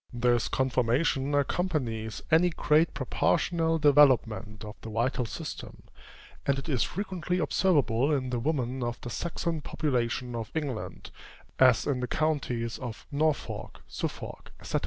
This conformation accompanies any great proportional developement of the vital system; and it is frequently observable in the woman of the Saxon population of England, as in the counties of Norfolk, Suffolk, &c.